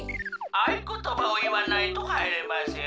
「あいことばをいわないとはいれません」。